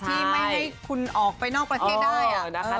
ที่ไม่ให้คุณออกไปนอกประเทศได้